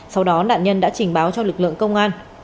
sau đó nạn nhân đã trình báo cho lực lượng công an